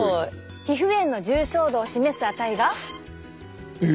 皮膚炎の重症度を示す値が。え！